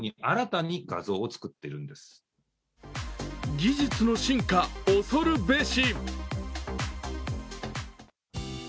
技術の進化、恐るべし。